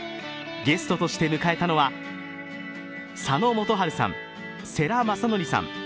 ゲストとして迎えたのは佐野元春さん、世良公則さん